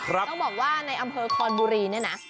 ต้องบอกว่าในอำเภอคอนบุรีเนี่ยนะ